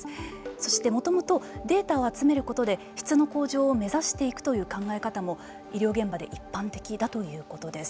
そしてもともとデータを集めることで質の向上を目指していくという考え方も医療現場で一般的だということです。